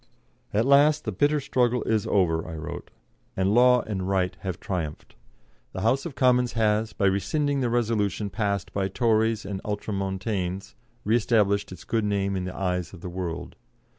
"At last the bitter struggle is over," I wrote, "and law and right have triumphed. The House of Commons has, by rescinding the resolution passed by Tories and Ultramontanes, re established its good name in the eyes of the world.